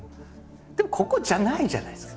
でもここじゃないじゃないですか。